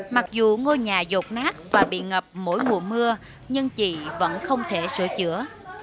mặc dù ngôi nhà rột nát và bị ngập mỗi mùa mưa nhưng chị vẫn không thể sửa chữa